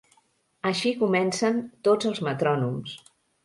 Així comencen tots els metrònoms.